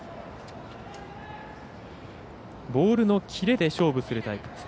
ボールのキレで勝負するタイプ。